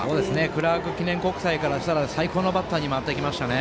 クラーク記念国際からしたら、最高のバッターに回ってきましたね。